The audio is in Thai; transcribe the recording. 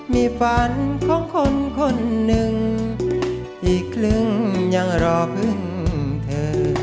มีฝันของคนคนหนึ่งอีกครึ่งยังรอพึ่งเธอ